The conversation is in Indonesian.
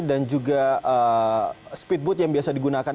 dan juga speedboot yang biasa digunakan